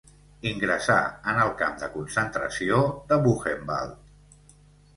Ingressà en el camp de concentració de Buchenwald.